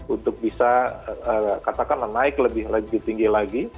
untuk bisa katakanlah naik lebih tinggi lagi